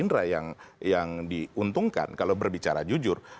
ini cuma hanya gerindra yang diuntungkan kalau berbicara jujur